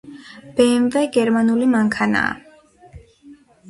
ბემვე გერმანული მანქანაა